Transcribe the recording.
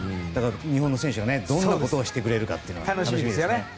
日本の選手がどんなことをしてくれるか楽しみですね。